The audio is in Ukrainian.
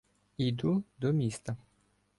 Іду до міста.